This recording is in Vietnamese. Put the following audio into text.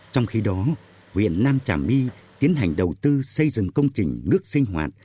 trong khi đó huyện nam trà my tiến hành đầu tư xây dựng công trình nước sinh hoạt